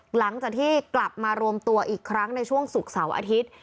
หลังจากที่กลับมารวมตัวอีกครั้งในช่วงศุกร์เสาร์อาทิตย์